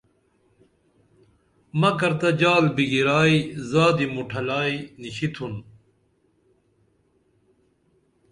مکر تہ جال بگرائی زادی مُٹھلائی نِشتُھن